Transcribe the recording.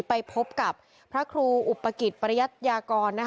ไปพบกับพระครูอุปกิจปริยัตยากร